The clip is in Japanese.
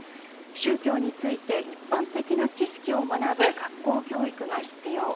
宗教について一般的な知識を学ぶ学校教育が必要。